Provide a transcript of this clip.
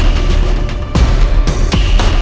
lihat ini pak